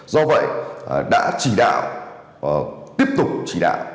do vậy đã chỉ đạo tiếp tục chỉ đạo